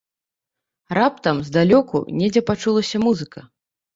Раптам здалёку недзе пачулася музыка.